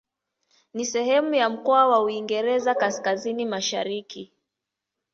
Ni sehemu ya mkoa wa Uingereza Kaskazini-Mashariki.